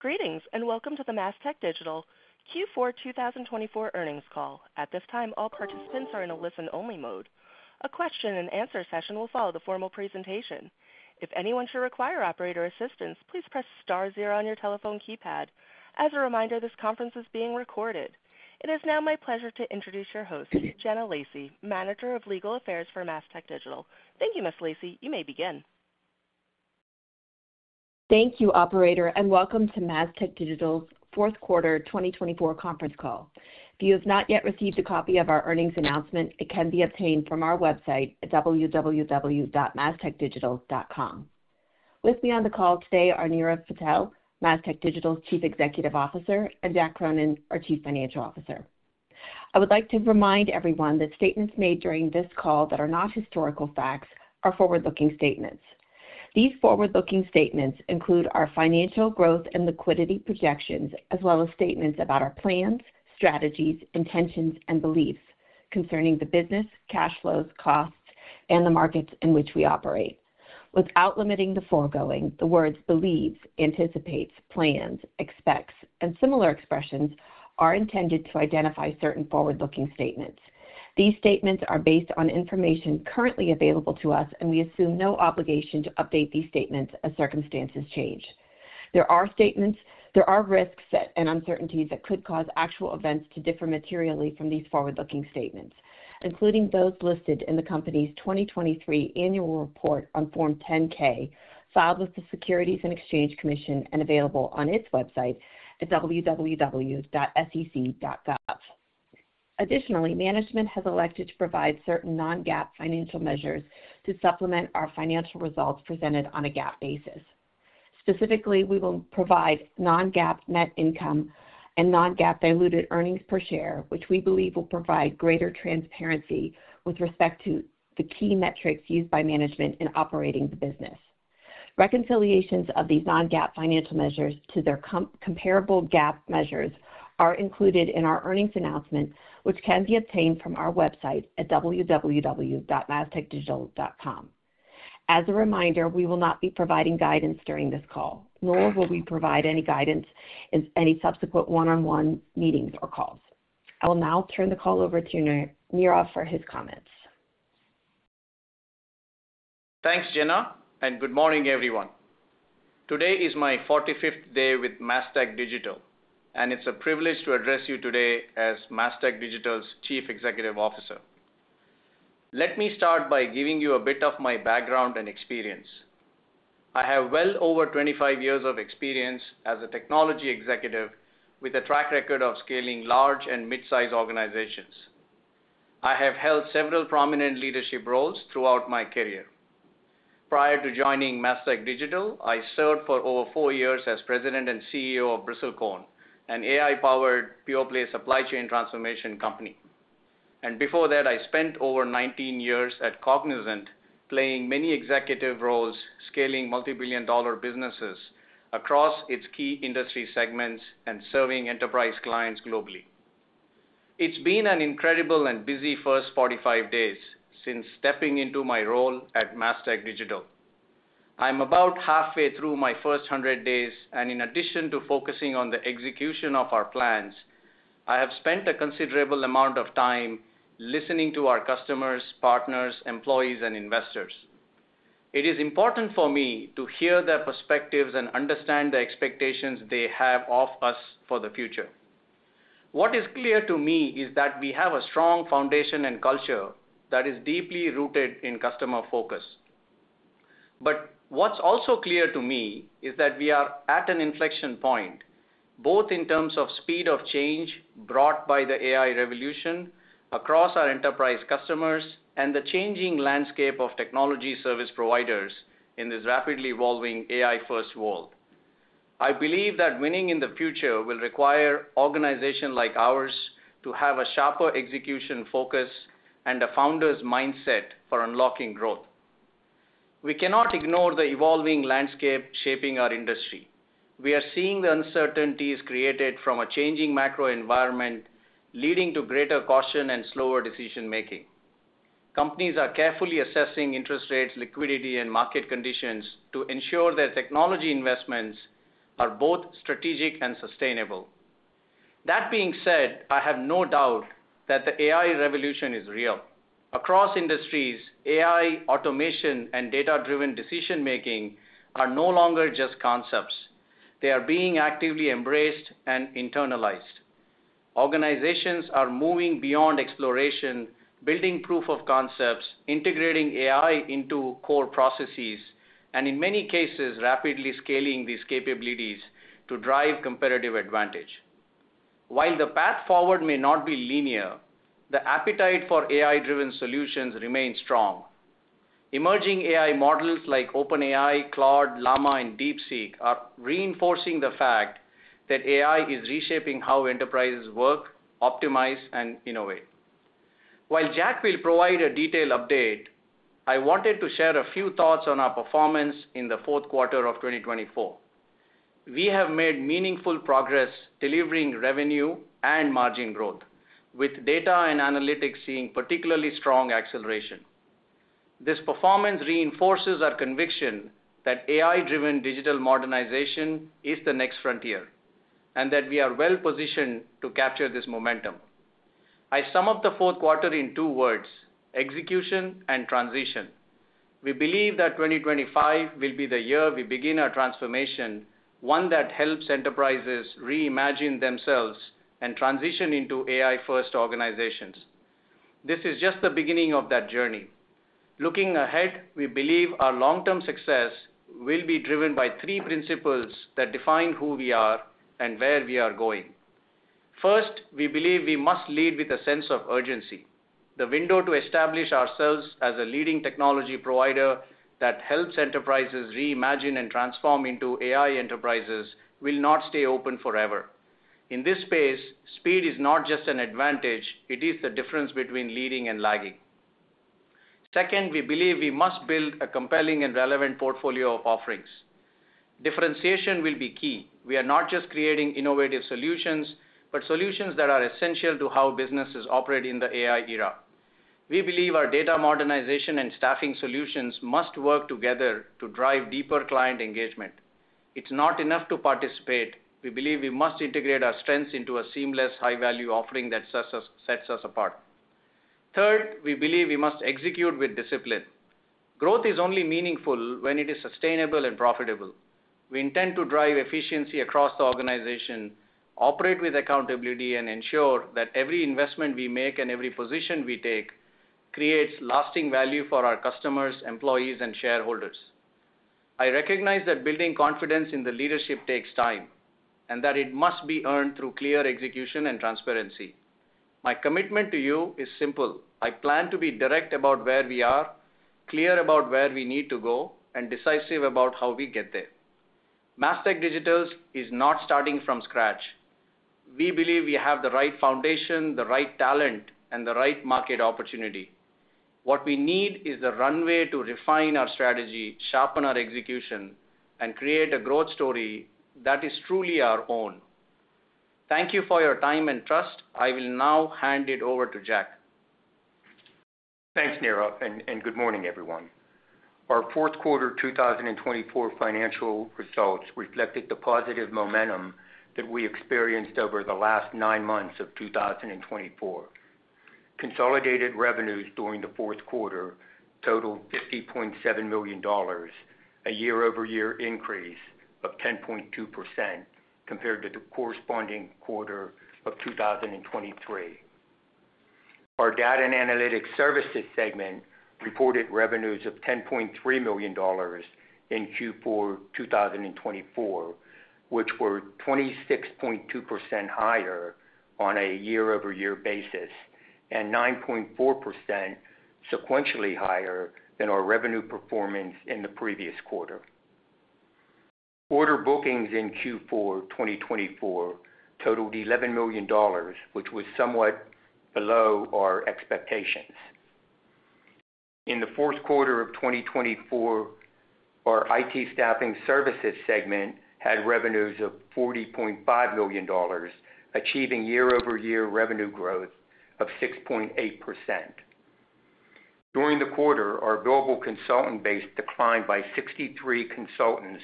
Greetings and Welcome to the Mastech Digital Q4 2024 Earnings Call. At this time, all participants are in a listen-only mode. A question-and-answer session will follow the formal presentation. If anyone should require operator assistance, please press star zero on your telephone keypad. As a reminder, this conference is being recorded. It is now my pleasure to introduce your host, Jenna Lacey, Manager of Legal Affairs for Mastech Digital. Thank you, Ms. Lacey. You may begin. Thank you, Operator, and welcome to Mastech Digital's Fourth Quarter 2024 Conference Call. If you have not yet received a copy of our earnings announcement, it can be obtained from our website at www.mastechdigital.com. With me on the call today are Nirav Patel, Mastech Digital's Chief Executive Officer, and Jack Cronin, our Chief Financial Officer. I would like to remind everyone that statements made during this call that are not historical facts are forward-looking statements. These forward-looking statements include our financial growth and liquidity projections, as well as statements about our plans, strategies, intentions, and beliefs concerning the business, cash flows, costs, and the markets in which we operate. Without limiting the foregoing, the words believes, anticipates, plans, expects, and similar expressions are intended to identify certain forward-looking statements. These statements are based on information currently available to us, and we assume no obligation to update these statements as circumstances change. There are statements, there are risks and uncertainties that could cause actual events to differ materially from these forward-looking statements, including those listed in the company's 2023 annual report on Form 10-K filed with the Securities and Exchange Commission and available on its website at www.sec.gov. Additionally, management has elected to provide certain non-GAAP financial measures to supplement our financial results presented on a GAAP basis. Specifically, we will provide non-GAAP net income and non-GAAP diluted earnings per share, which we believe will provide greater transparency with respect to the key metrics used by management in operating the business. Reconciliations of these non-GAAP financial measures to their comparable GAAP measures are included in our earnings announcement, which can be obtained from our website at www.mastechdigital.com. As a reminder, we will not be providing guidance during this call, nor will we provide any guidance in any subsequent one-on-one meetings or calls. I will now turn the call over to Nirav for his comments. Thanks, Jenna, and good morning, everyone. Today is my 45th day with Mastech Digital, and it's a privilege to address you today as Mastech Digital's Chief Executive Officer. Let me start by giving you a bit of my background and experience. I have well over 25 years of experience as a technology executive with a track record of scaling large and mid-size organizations. I have held several prominent leadership roles throughout my career. Prior to joining Mastech Digital, I served for over four years as President and CEO of Bristlecone, an AI-powered pure-play supply chain transformation company. Before that, I spent over 19 years at Cognizant playing many executive roles, scaling multi-billion dollar businesses across its key industry segments and serving enterprise clients globally. It's been an incredible and busy first 45 days since stepping into my role at Mastech Digital. I'm about halfway through my first 100 days, and in addition to focusing on the execution of our plans, I have spent a considerable amount of time listening to our customers, partners, employees, and investors. It is important for me to hear their perspectives and understand the expectations they have of us for the future. What is clear to me is that we have a strong foundation and culture that is deeply rooted in customer focus. What is also clear to me is that we are at an inflection point, both in terms of speed of change brought by the AI revolution across our enterprise customers and the changing landscape of technology service providers in this rapidly evolving AI-first world. I believe that winning in the future will require organizations like ours to have a sharper execution focus and a founder's mindset for unlocking growth. We cannot ignore the evolving landscape shaping our industry. We are seeing the uncertainties created from a changing macro environment leading to greater caution and slower decision-making. Companies are carefully assessing interest rates, liquidity, and market conditions to ensure their technology investments are both strategic and sustainable. That being said, I have no doubt that the AI revolution is real. Across industries, AI automation and data-driven decision-making are no longer just concepts. They are being actively embraced and internalized. Organizations are moving beyond exploration, building proof of concepts, integrating AI into core processes, and in many cases, rapidly scaling these capabilities to drive competitive advantage. While the path forward may not be linear, the appetite for AI-driven solutions remains strong. Emerging AI models like OpenAI, Claude, Llama, and DeepSeek are reinforcing the fact that AI is reshaping how enterprises work, optimize, and innovate. While Jack will provide a detailed update, I wanted to share a few thoughts on our performance in the fourth quarter of 2024. We have made meaningful progress delivering revenue and margin growth, with data and analytics seeing particularly strong acceleration. This performance reinforces our conviction that AI-driven digital modernization is the next frontier and that we are well positioned to capture this momentum. I sum up the fourth quarter in two words: execution and transition. We believe that 2025 will be the year we begin our transformation, one that helps enterprises reimagine themselves and transition into AI-first organizations. This is just the beginning of that journey. Looking ahead, we believe our long-term success will be driven by three principles that define who we are and where we are going. First, we believe we must lead with a sense of urgency. The window to establish ourselves as a leading technology provider that helps enterprises reimagine and transform into AI enterprises will not stay open forever. In this space, speed is not just an advantage; it is the difference between leading and lagging. Second, we believe we must build a compelling and relevant portfolio of offerings. Differentiation will be key. We are not just creating innovative solutions, but solutions that are essential to how businesses operate in the AI era. We believe our data modernization and staffing solutions must work together to drive deeper client engagement. It's not enough to participate. We believe we must integrate our strengths into a seamless, high-value offering that sets us apart. Third, we believe we must execute with discipline. Growth is only meaningful when it is sustainable and profitable. We intend to drive efficiency across the organization, operate with accountability, and ensure that every investment we make and every position we take creates lasting value for our customers, employees, and shareholders. I recognize that building confidence in the leadership takes time and that it must be earned through clear execution and transparency. My commitment to you is simple. I plan to be direct about where we are, clear about where we need to go, and decisive about how we get there. Mastech Digital is not starting from scratch. We believe we have the right foundation, the right talent, and the right market opportunity. What we need is the runway to refine our strategy, sharpen our execution, and create a growth story that is truly our own. Thank you for your time and trust. I will now hand it over to Jack. Thanks, Nirav, and good morning, everyone. Our fourth quarter 2024 financial results reflected the positive momentum that we experienced over the last nine months of 2024. Consolidated revenues during the fourth quarter totaled $50.7 million, a year-over-year increase of 10.2% compared to the corresponding quarter of 2023. Our data and analytics services segment reported revenues of $10.3 million in Q4 2024, which were 26.2% higher on a year-over-year basis and 9.4% sequentially higher than our revenue performance in the previous quarter. Quarter bookings in Q4 2024 totaled $11 million, which was somewhat below our expectations. In the fourth quarter of 2024, our IT staffing services segment had revenues of $40.5 million, achieving year-over-year revenue growth of 6.8%. During the quarter, our global consultant base declined by 63 consultants,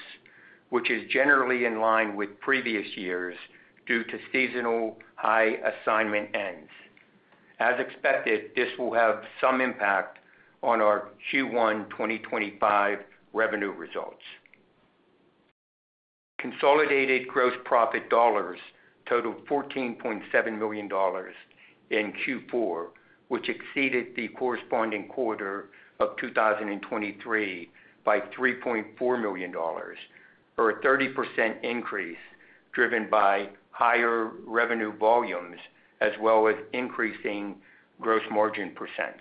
which is generally in line with previous years due to seasonal high assignment ends. As expected, this will have some impact on our Q1 2025 revenue results. Consolidated gross profit dollars totaled $14.7 million in Q4, which exceeded the corresponding quarter of 2023 by $3.4 million, or a 30% increase driven by higher revenue volumes as well as increasing gross margin percents.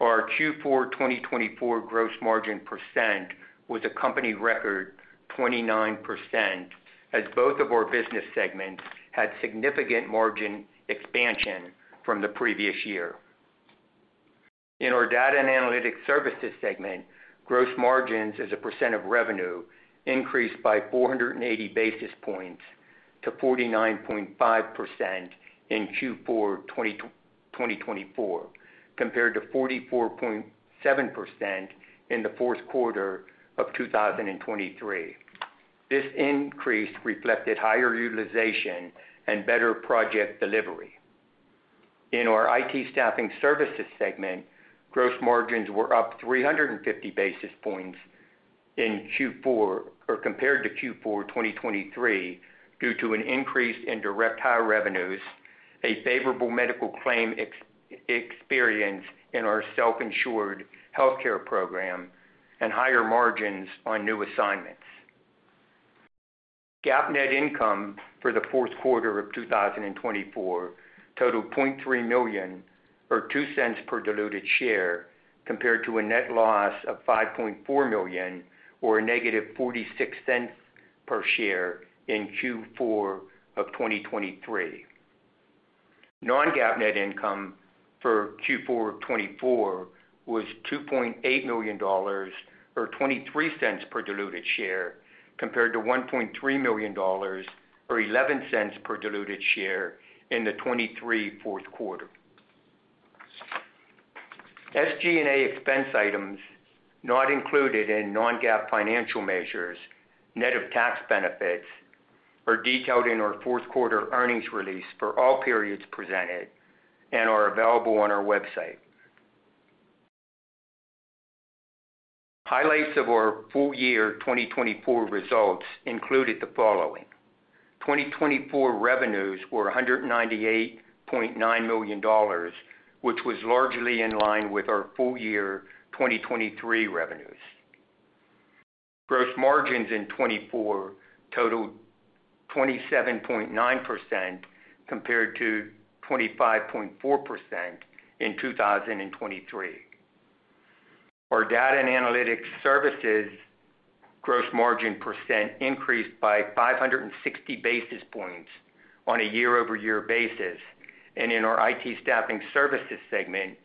Our Q4 2024 gross margin percent was a company record 29%, as both of our business segments had significant margin expansion from the previous year. In our data and analytics services segment, gross margins as a percent of revenue increased by 480 basis points to 49.5% in Q4 2024, compared to 44.7% in the fourth quarter of 2023. This increase reflected higher utilization and better project delivery. In our IT staffing services segment, gross margins were up 350 basis points in Q4 compared to Q4 2023 due to an increase in direct high revenues, a favorable medical claim experience in our self-insured healthcare program, and higher margins on new assignments. GAAP net income for the fourth quarter of 2024 totaled $0.3 million or 2 cents per diluted share, compared to a net loss of $5.4 million or a negative 46 cents per share in Q4 of 2023. Non-GAAP net income for Q4 of 2024 was $2.8 million or 23 cents per diluted share, compared to $1.3 million or 11 cents per diluted share in the 2023 fourth quarter. SG&A expense items not included in non-GAAP financial measures, net of tax benefits, are detailed in our fourth quarter earnings release for all periods presented and are available on our website. Highlights of our full year 2024 results included the following. 2024 revenues were $198.9 million, which was largely in line with our full year 2023 revenues. Gross margins in 2024 totaled 27.9% compared to 25.4% in 2023. Our data and analytics services gross margin % increased by 560 basis points on a year-over-year basis. In our IT staffing services segment,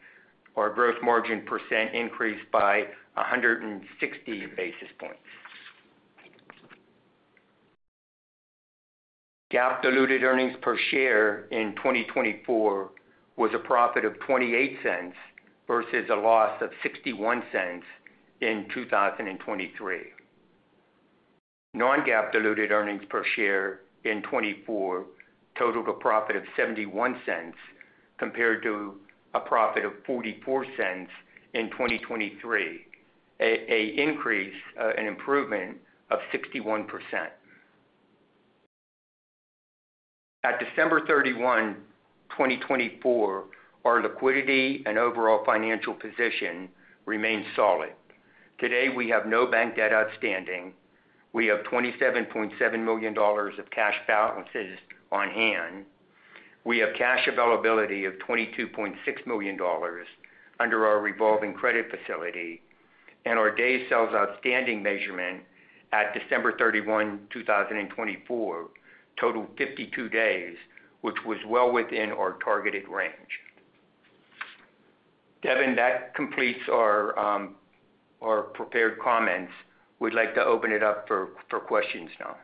our gross margin % increased by 160 basis points. GAAP diluted earnings per share in 2024 was a profit of $0.28 versus a loss of $0.61 in 2023. Non-GAAP diluted earnings per share in 2024 totaled a profit of $0.71 compared to a profit of $0.44 in 2023, an improvement of 61%. At December 31, 2024, our liquidity and overall financial position remained solid. Today, we have no bank debt outstanding. We have $27.7 million of cash balances on hand. We have cash availability of $22.6 million under our revolving credit facility. Our days sales outstanding measurement at December 31, 2024, totaled 52 days, which was well within our targeted range. Devin, that completes our prepared comments. We'd like to open it up for questions now.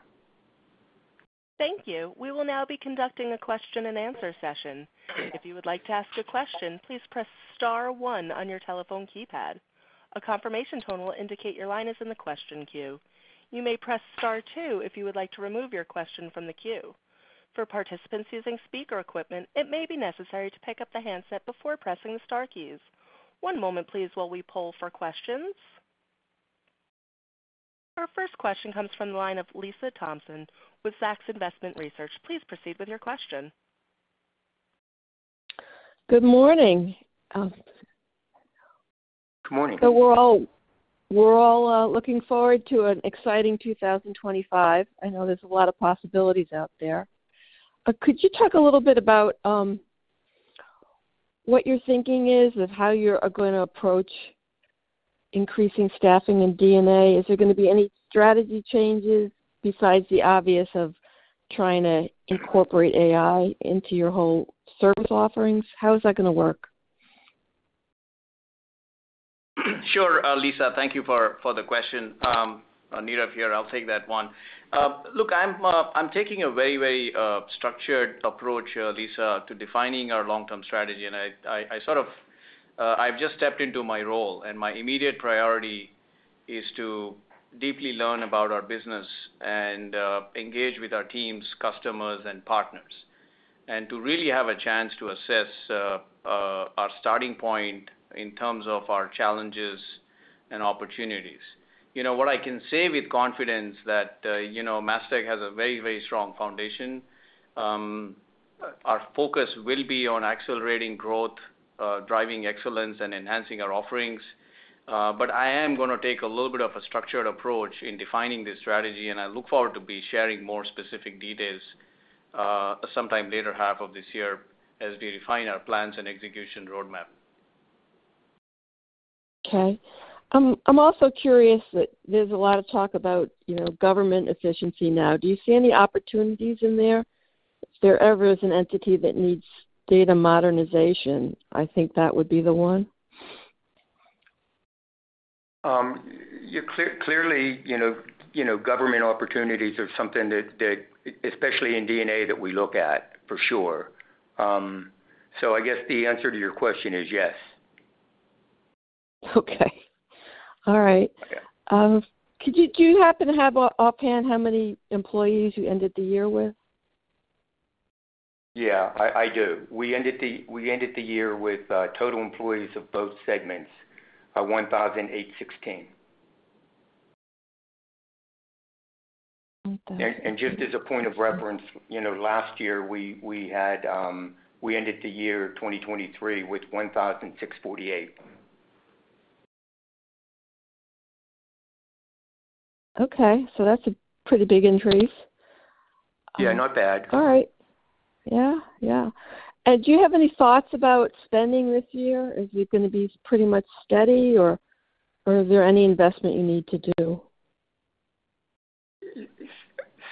Thank you. We will now be conducting a question-and-answer session. If you would like to ask a question, please press Star one on your telephone keypad. A confirmation tone will indicate your line is in the question queue. You may press Star two if you would like to remove your question from the queue. For participants using speaker equipment, it may be necessary to pick up the handset before pressing the Star keys. One moment, please, while we pull for questions. Our first question comes from the line of Lisa Thompson with Zacks Investment Research. Please proceed with your question. Good morning. Good morning. We're all looking forward to an exciting 2025. I know there's a lot of possibilities out there. Could you talk a little bit about what your thinking is of how you're going to approach increasing staffing and DNA? Is there going to be any strategy changes besides the obvious of trying to incorporate AI into your whole service offerings? How is that going to work? Sure, Lisa. Thank you for the question. Nirav here, I'll take that one. Look, I'm taking a very, very structured approach, Lisa, to defining our long-term strategy. I sort of just stepped into my role, and my immediate priority is to deeply learn about our business and engage with our teams, customers, and partners, and to really have a chance to assess our starting point in terms of our challenges and opportunities. You know, what I can say with confidence is that Mastech has a very, very strong foundation. Our focus will be on accelerating growth, driving excellence, and enhancing our offerings. I am going to take a little bit of a structured approach in defining this strategy, and I look forward to sharing more specific details sometime later half of this year as we refine our plans and execution roadmap. Okay. I'm also curious that there's a lot of talk about government efficiency now. Do you see any opportunities in there? If there ever is an entity that needs data modernization, I think that would be the one. Clearly, government opportunities are something that, especially in DNA, that we look at for sure. I guess the answer to your question is yes. Okay. All right. Do you happen to have offhand how many employees you ended the year with? Yeah, I do. We ended the year with total employees of both segments of 1,816. Just as a point of reference, last year we ended the year 2023 with 1,648. Okay. That's a pretty big increase. Yeah, not bad. All right. Yeah, yeah. Do you have any thoughts about spending this year? Is it going to be pretty much steady, or is there any investment you need to do?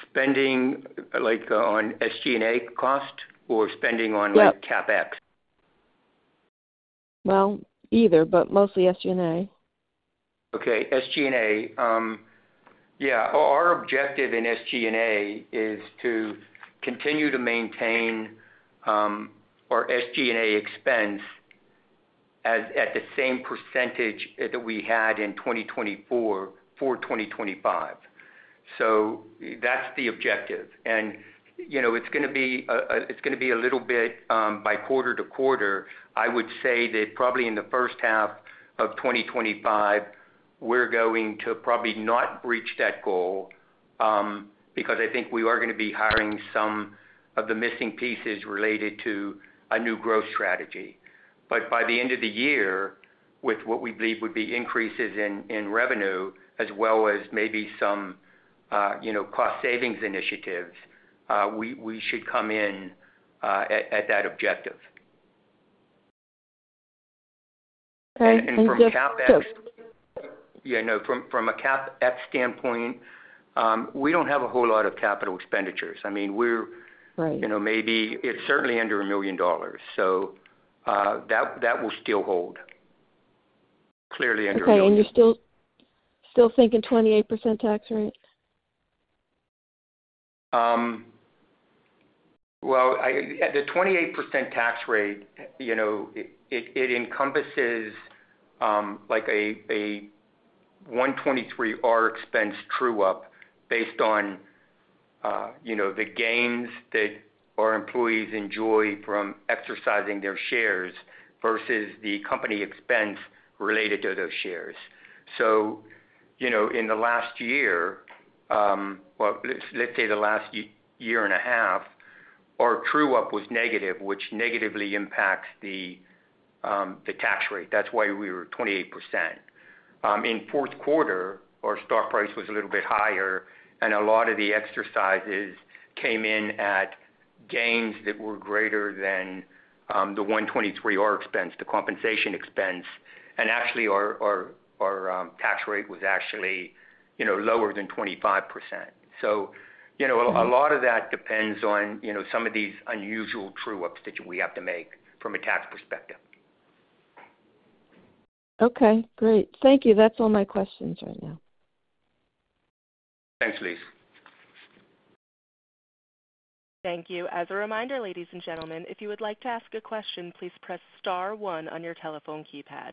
Spending on SG&A cost or spending on CAPEX? Either, but mostly SG&A. Okay. SG&A. Yeah. Our objective in SG&A is to continue to maintain our SG&A expense at the same percentage that we had in 2024 for 2025. That is the objective. It is going to be a little bit by quarter to quarter. I would say that probably in the first half of 2025, we are going to probably not breach that goal because I think we are going to be hiring some of the missing pieces related to a new growth strategy. By the end of the year, with what we believe would be increases in revenue as well as maybe some cost savings initiatives, we should come in at that objective. Okay. From a CAPEX. Yes, please. Yeah, no, from a CAPEX standpoint, we do not have a whole lot of capital expenditures. I mean, maybe it is certainly under $1 million. So that will still hold. Clearly under $1 million. Okay. You're still thinking 28% tax rate? The 28% tax rate, it encompasses a 123R expense true-up based on the gains that our employees enjoy from exercising their shares versus the company expense related to those shares. In the last year, let's say the last year and a half, our true-up was negative, which negatively impacts the tax rate. That's why we were 28%. In fourth quarter, our stock price was a little bit higher, and a lot of the exercises came in at gains that were greater than the 123R expense, the compensation expense. Actually, our tax rate was actually lower than 25%. A lot of that depends on some of these unusual true-ups that we have to make from a tax perspective. Okay. Great. Thank you. That's all my questions right now. Thanks, Lisa. Thank you. As a reminder, ladies and gentlemen, if you would like to ask a question, please press Star one on your telephone keypad.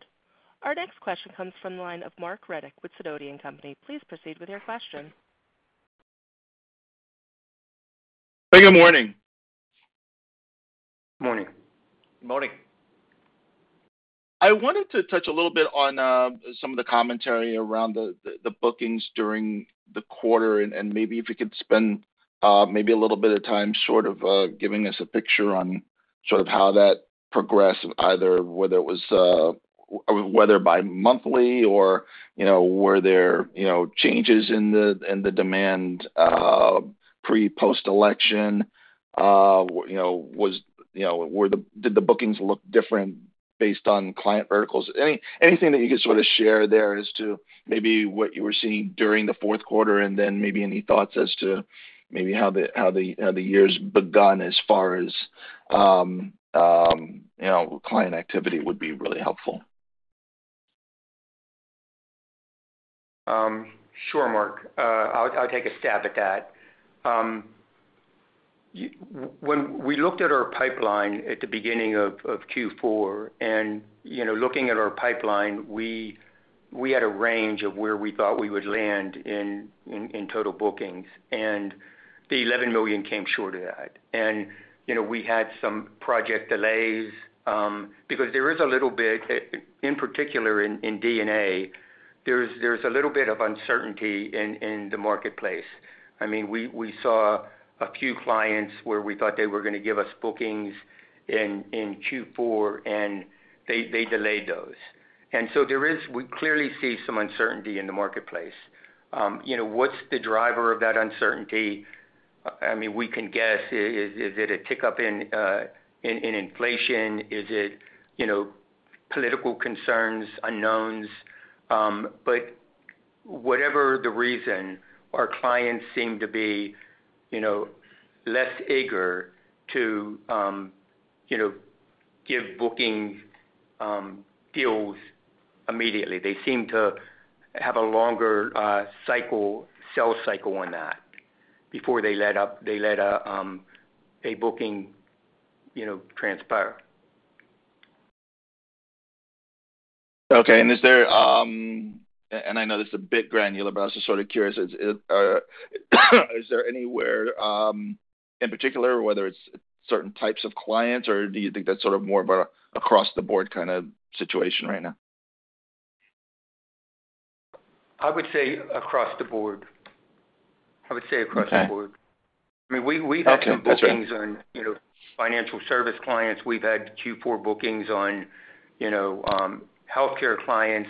Our next question comes from the line of Marc Reddick with Sidoti & Company. Please proceed with your question. Good morning. Morning. Morning. I wanted to touch a little bit on some of the commentary around the bookings during the quarter, and maybe if you could spend maybe a little bit of time sort of giving us a picture on sort of how that progressed, either whether it was whether by monthly or were there changes in the demand pre-post election? Did the bookings look different based on client verticals? Anything that you could sort of share there as to maybe what you were seeing during the fourth quarter and then maybe any thoughts as to maybe how the year's begun as far as client activity would be really helpful. Sure, Marc. I'll take a stab at that. When we looked at our pipeline at the beginning of Q4, and looking at our pipeline, we had a range of where we thought we would land in total bookings, and the $11 million came short of that. We had some project delays because there is a little bit in particular in DNA, there's a little bit of uncertainty in the marketplace. I mean, we saw a few clients where we thought they were going to give us bookings in Q4, and they delayed those. We clearly see some uncertainty in the marketplace. What's the driver of that uncertainty? I mean, we can guess. Is it a tick up in inflation? Is it political concerns, unknowns? Whatever the reason, our clients seem to be less eager to give booking deals immediately. They seem to have a longer sell cycle on that before they let a booking transpire. Okay. Is there—and I know this is a bit granular, but I was just sort of curious—is there anywhere in particular, whether it's certain types of clients, or do you think that's sort of more of an across-the-board kind of situation right now? I would say across the board. I mean, we've had some bookings on financial service clients. We've had Q4 bookings on healthcare clients.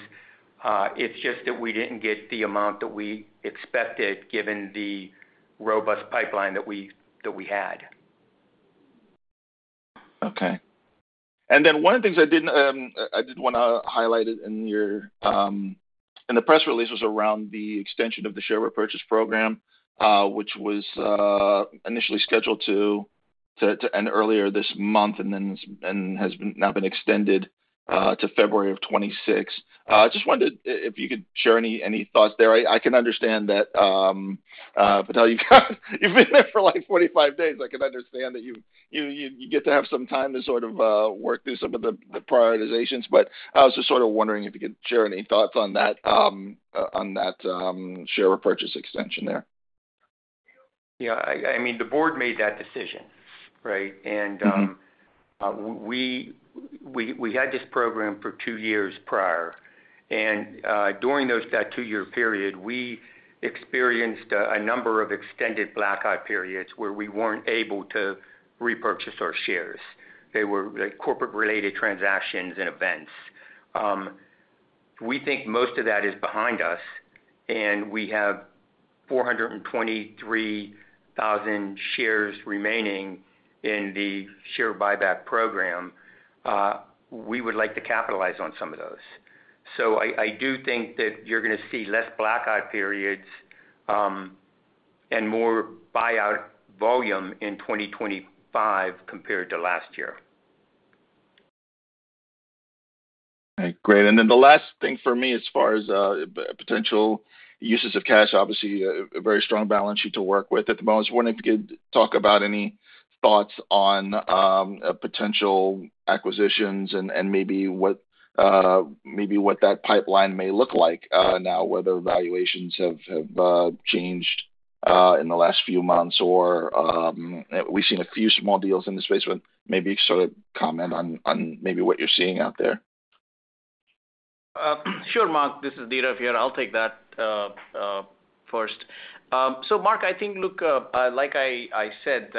It's just that we didn't get the amount that we expected given the robust pipeline that we had. Okay. One of the things I did want to highlight in the press release was around the extension of the share repurchase program, which was initially scheduled to end earlier this month and has now been extended to February of 2026. I just wondered if you could share any thoughts there. I can understand that, Patel, you've been there for like 45 days. I can understand that you get to have some time to sort of work through some of the prioritizations. I was just sort of wondering if you could share any thoughts on that share repurchase extension there. Yeah. I mean, the board made that decision, right? And we had this program for two years prior. During that two-year period, we experienced a number of extended blackout periods where we were not able to repurchase our shares. They were corporate-related transactions and events. We think most of that is behind us, and we have 423,000 shares remaining in the share buyback program. We would like to capitalize on some of those. I do think that you are going to see fewer blackout periods and more buyback volume in 2025 compared to last year. Okay. Great. The last thing for me as far as potential uses of cash, obviously a very strong balance sheet to work with at the moment. I was wondering if you could talk about any thoughts on potential acquisitions and maybe what that pipeline may look like now, whether valuations have changed in the last few months or we've seen a few small deals in the space. Maybe sort of comment on what you're seeing out there. Sure, Marc. This is Nirav here. I'll take that first. Marc, I think, like I said,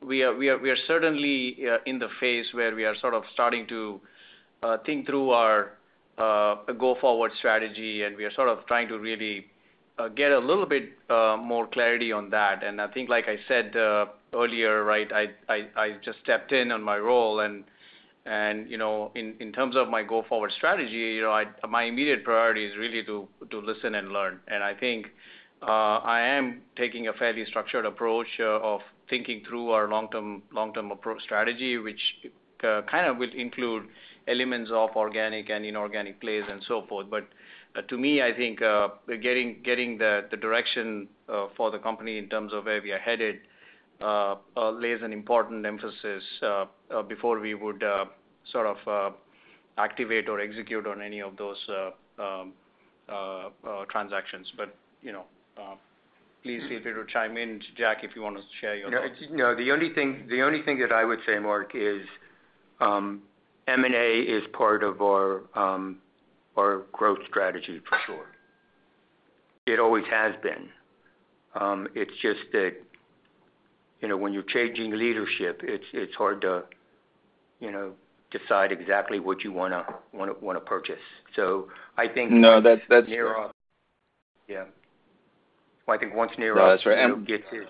we are certainly in the phase where we are sort of starting to think through our go-forward strategy, and we are sort of trying to really get a little bit more clarity on that. I think, like I said earlier, right, I just stepped in on my role. In terms of my go-forward strategy, my immediate priority is really to listen and learn. I think I am taking a fairly structured approach of thinking through our long-term strategy, which kind of will include elements of organic and inorganic plays and so forth. To me, I think getting the direction for the company in terms of where we are headed lays an important emphasis before we would sort of activate or execute on any of those transactions. Please feel free to chime in, Jack, if you want to share your thoughts. No. The only thing that I would say, Marc, is M&A is part of our growth strategy for sure. It always has been. It's just that when you're changing leadership, it's hard to decide exactly what you want to purchase. I think. No, that's. Yeah. I think once Nirav. No, that's right. Gets it.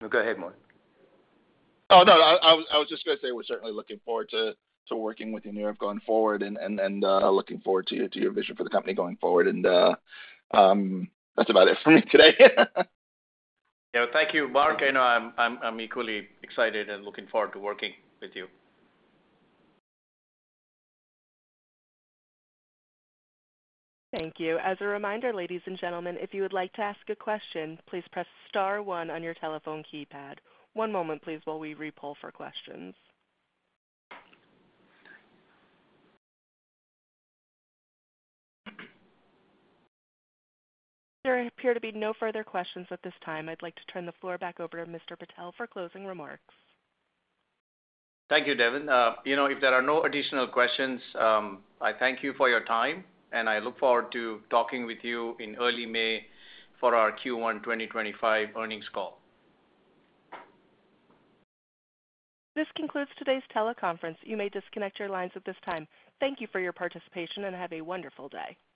No, go ahead, Marc. Oh, no. I was just going to say we're certainly looking forward to working with you, Nirav, going forward, and looking forward to your vision for the company going forward. That's about it for me today. Yeah. Thank you, Marc. I know I'm equally excited and looking forward to working with you. Thank you. As a reminder, ladies and gentlemen, if you would like to ask a question, please press Star one on your telephone keypad. One moment, please, while we repull for questions. There appear to be no further questions at this time. I'd like to turn the floor back over to Mr. Patel for closing remarks. Thank you, Devin. If there are no additional questions, I thank you for your time, and I look forward to talking with you in early May for our Q1 2025 earnings call. This concludes today's teleconference. You may disconnect your lines at this time. Thank you for your participation and have a wonderful day.